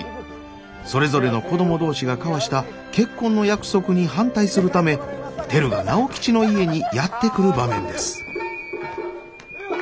それぞれの子供同士が交わした結婚の約束に反対するためてるが直吉の家にやって来る場面です。